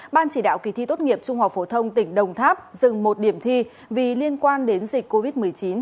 ban chỉ đạo kỳ thi tốt nghiệp trung học phổ thông tỉnh đồng tháp dừng một điểm thi vì liên quan đến dịch covid một mươi chín